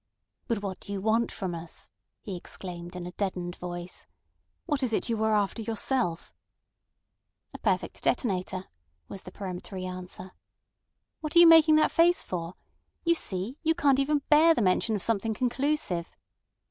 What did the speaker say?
"But what do you want from us?" he exclaimed in a deadened voice. "What is it you are after yourself?" "A perfect detonator," was the peremptory answer. "What are you making that face for? You see, you can't even bear the mention of something conclusive."